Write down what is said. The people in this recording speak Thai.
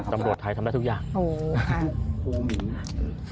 จังหวัดไทยทำได้ทุกอย่าง